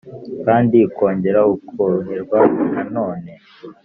kandi ukongera ukoroherwa na none